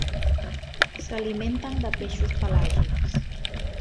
S'alimenten de peixos pelàgics.